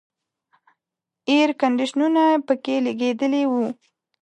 اییر کنډیشنونه پکې لګېدلي وو.